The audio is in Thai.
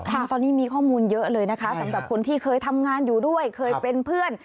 ตอนนี้มีข้อมูลเยอะเลยนะคะสำหรับคนที่เคยทำงานอยู่ด้วยเคยเป็นเพื่อน